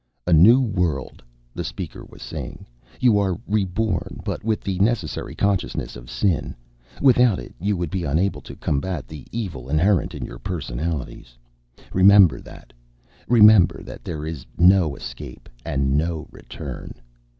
"A new world," the speaker was saying. "You are reborn but with the necessary consciousness of sin. Without it, you would be unable to combat the evil inherent in your personalities. Remember that. Remember that there is no escape and no return.